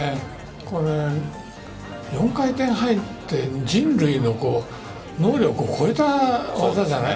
４回転半って人類の能力を超えた技じゃない。